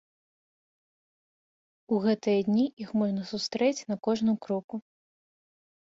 У гэтыя дні іх можна сустрэць на кожным кроку.